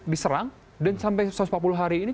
diserang dan sampai satu ratus empat puluh hari ini